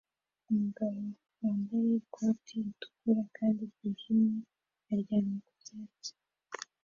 Umugabo wambaye ikoti ritukura kandi ryijimye aryamye ku byatsi